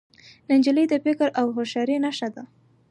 نجلۍ د فکر او هوښیارۍ نښه ده.